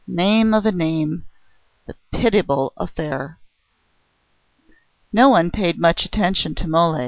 name of a name, the pitiable affair! No one paid much attention to Mole.